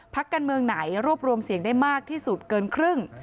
พักการเมืองไหนรวบรวมเสียงได้มากที่สุดเกินครึ่ง